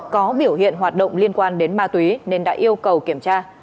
có biểu hiện hoạt động liên quan đến ma túy nên đã yêu cầu kiểm tra